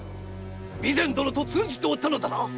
備前殿と通じておったのだな‼